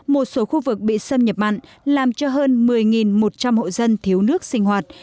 một số khu vực bị xâm nhập mặn làm cho hơn một mươi một trăm linh hộ dân thiếu nước sinh hoạt